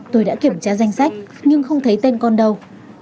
tôi đã kiểm tra danh sách nhưng không thấy tên con đâu